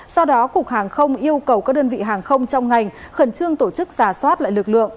sau đó cục hàng không yêu cầu các đơn vị hàng không trong ngành khẩn trương tổ chức giả soát lại lực lượng